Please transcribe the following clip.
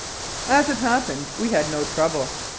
As it happened, we had no trouble.